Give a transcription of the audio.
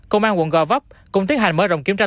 công an quận gò vấp cũng tiến hành mở rộng kiểm tra